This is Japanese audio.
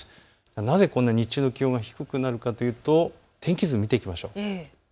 なぜこんな日中の気温が低くなるかというと天気図、見ていきましょう。